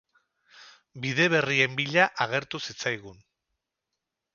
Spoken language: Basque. Bide berrien bila agertu zitzaigun.